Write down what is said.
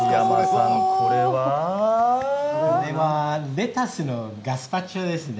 レタスのガスパチョですね。